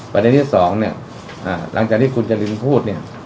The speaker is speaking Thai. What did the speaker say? ประเด็นที่สองเนี่ยหลังจากที่คุณจรินพูดเนี่ย